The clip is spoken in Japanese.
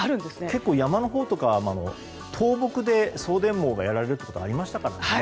結構、山のほうとか倒木で送電網がやられることもありましたからね。